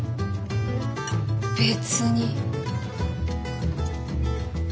別に。